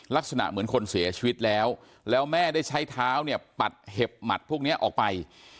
ลักษณะเหมือนคนเสียชีวิตแล้วแล้วแม่ได้ใช้เท้าเนี่ยปัดเห็บหมัดพวกนี้ออกไป